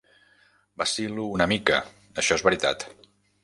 Vacil·lo una mica, això és veritat.